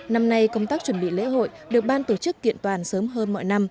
năm nay công tác chuẩn bị lễ hội được ban tổ chức kiện toàn sớm hơn mọi năm